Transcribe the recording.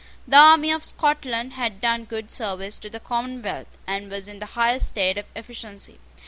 The army of Scotland had done good service to the Commonwealth, and was in the highest state of efficiency.